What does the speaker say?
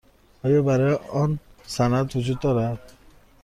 آیا برای آن سند وجود دارد؟